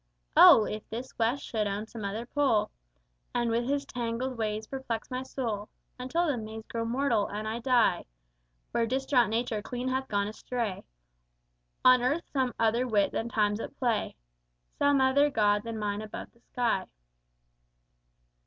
God! if this West should own some other Pole, And with his tangled ways perplex my soul Until the maze grow mortal, and I die Where distraught Nature clean hath gone astray, On earth some other wit than Time's at play, Some other God than mine above the sky!